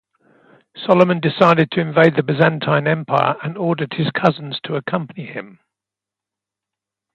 Solomon decided to invade the Byzantine Empire and ordered his cousins to accompany him.